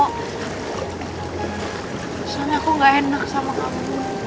misalnya aku gak enak sama kamu